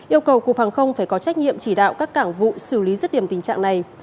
yêu cầu cục hàng không phải có trách nhiệm chỉ đạo các cảng vụ xử lý rứt điểm tình trạng này